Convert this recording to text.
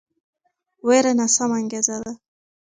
ویره ناسمه انګیزه ده